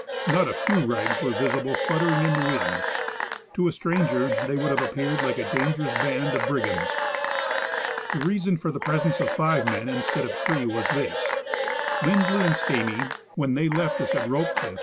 Not a few rags were visible fluttering in the wind. To a stranger they would have appeared like a dangerous band of brigands. The reason for the joresence of five men instead of three was this : Lindsley and Stamy, when the}' left us at Rope cliff to 22— Nat.